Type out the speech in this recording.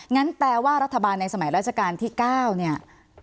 งั้นแปลว่ารัฐบาลในสมัยราชการที่๙เนี่ย